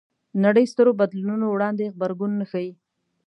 نړۍ سترو بدلونونو وړاندې غبرګون نه ښيي